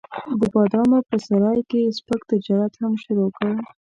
د بادامو په سرای کې یې سپک تجارت هم شروع کړ.